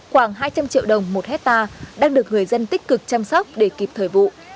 khoảng hai trăm linh triệu đồng một hectare đang được người dân tích cực chăm sóc để kịp thời vụ